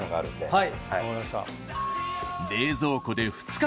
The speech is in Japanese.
はい。